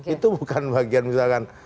itu bukan bagian misalkan